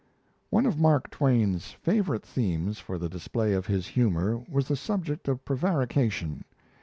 One of Mark Twain's favourite themes for the display of his humour was the subject of prevarication.